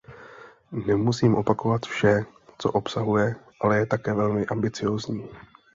Nemusím opakovat vše, co obsahuje, ale je také velmi ambiciózní.